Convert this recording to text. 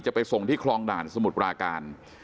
ไปส่งที่คลองด่านสมุทรปราการ